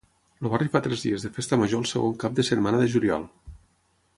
El barri fa tres dies de festa major el segon cap de setmana de juliol.